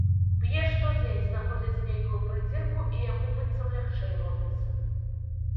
Б'е штодзень, знаходзіць нейкую прыдзірку, і яму быццам лягчэй робіцца.